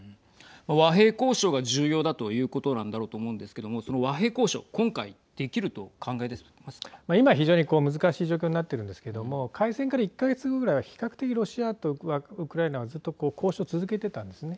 和平交渉が重要だということなんだろうと思うんですけども、その和平交渉今非常に難しい状況になっているんですけども開戦から１か月後くらいは比較的ロシアとウクライナはずっと交渉を続けてたんですね。